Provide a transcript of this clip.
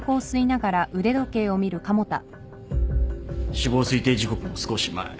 死亡推定時刻の少し前。